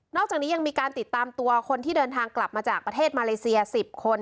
อกจากนี้ยังมีการติดตามตัวคนที่เดินทางกลับมาจากประเทศมาเลเซีย๑๐คน